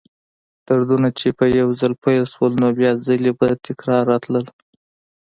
دردونه چې به یو ځل پیل شول، نو بیا بیا ځلې به تکراراً راتلل.